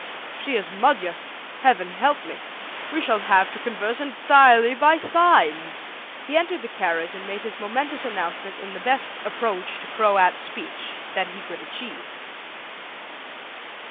"If she is Magyar, heaven help me! We shall have to converse entirely by signs." He entered the carriage and made his momentous announcement in the best approach to Croat speech that he could achieve.